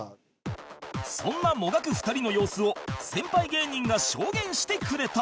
そんなもがく２人の様子を先輩芸人が証言してくれた